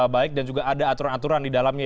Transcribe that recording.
baik dan juga ada aturan aturan di dalamnya